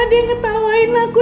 dia ngetawain aku